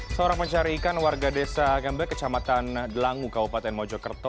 seorang pencari ikan warga desa agambe kecamatan delangu kabupaten mojokerto